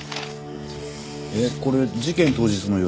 えっこれ事件当日の夜？